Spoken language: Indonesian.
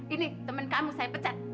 ini teman kamu saya pecat